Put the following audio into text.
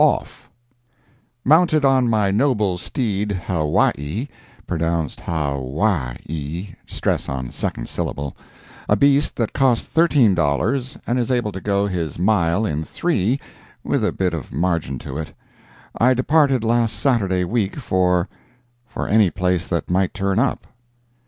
OFF Mounted on my noble steed Hawaii (pronounced Hah wy ye—stress on second syllable), a beast that cost thirteen dollars and is able to go his mile in three—with a bit of margin to it—I departed last Saturday week for—for any place that might turn up.